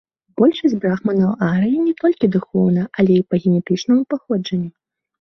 Большасць брахманаў арыі не толькі духоўна, але і па генетычнаму паходжанню.